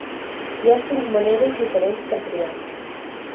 Hi ha cinc maneres diferents per triar.